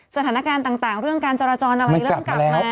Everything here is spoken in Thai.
สถานการณ์ต่างเรื่องการจราจรอะไรเริ่มกลับมา